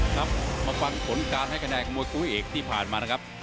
ครับมาฟังผลการให้คะแนนของมวยซุ้ยเอกที่ผ่านมานะครับ